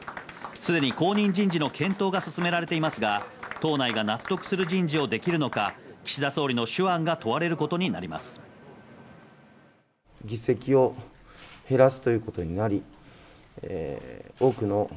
すでに後任人事の検討が進められていますが、党内が納得する人事をできるのか、岸田総理の手腕が問われることになります。